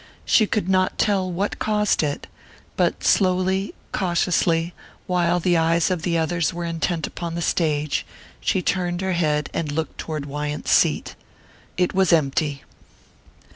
She could not tell what caused it but slowly, cautiously, while the eyes of the others were intent upon the stage, she turned her head and looked toward Wyant's seat. It was empty.